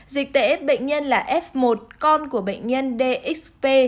dịch tễ bệnh nhân là f một con của bệnh nhân dxp